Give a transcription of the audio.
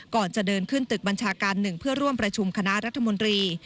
ก่อนจะเดินขึ้นตึกบัญชาการ๑เพื่อร่วมประชุมคณะรัฐมนตรี